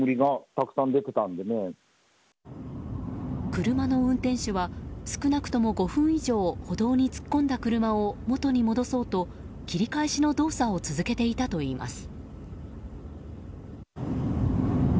車の運転手は少なくとも５分以上歩道に突っ込んだ車を元に戻そうと切り返しの動作を続けていたといいます。